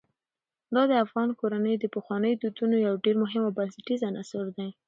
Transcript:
دا د افغان کورنیو د پخوانیو دودونو یو ډېر مهم او بنسټیز عنصر دی.